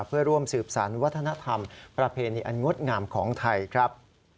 เพื่อร่วมสืบสารวัฒนธรรมประเพณีอันงดงามของไทยครับ